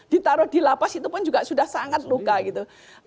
ditaruh dilapas itu pun juga sudah sangat luka gitu